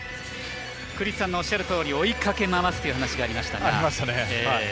クリスさんのおっしゃるとおり追いかけ回すという話がありましたが。